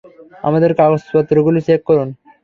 আমাদের কাগজপত্রগুলো চেক করুন!